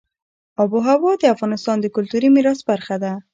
آب وهوا د افغانستان د کلتوري میراث برخه ده.